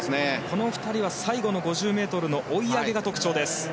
この２人は最後の５０ｍの追い上げが特徴です。